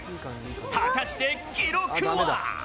果たして記録は！？